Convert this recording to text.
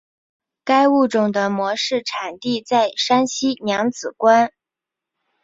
该物种的模式产地在山西娘子关。